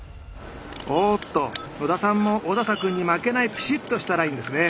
おっと野田さんも小佐々君に負けないピシッとしたラインですね。